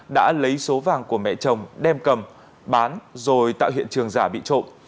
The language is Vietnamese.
đã lấy số vàng của mẹ chồng đem cầm bán rồi tạo hiện trường giả bị trộn